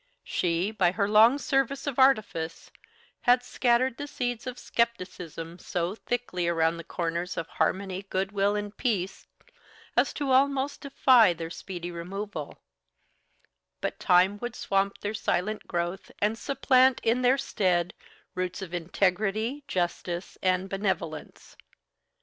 She, by her long service of artifice, had scattered the seeds of scepticism so thickly around the corners of harmony, goodwill, and peace as to almost defy their speedy removal; but time would swamp their silent growth and supplant in their stead roots of integrity, justice, and benevolence.